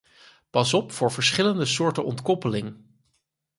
Pas op voor verschillende soorten ontkoppeling!